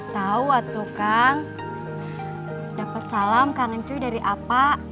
tau atuh kang dapet salam kangen cuy dari apa